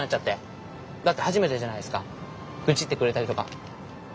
だって初めてじゃないですか愚痴ってくれたりとか。